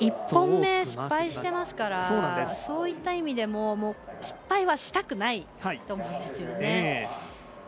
１本目で失敗していますからそういった意味でも失敗はしたくないと思うんですね。